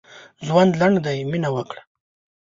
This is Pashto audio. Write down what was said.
ژوند لنډ دی؛ مينه وکړه.